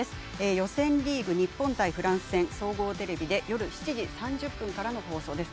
予選リーグ日本対フランス戦総合テレビで夜７時３０分からの放送です。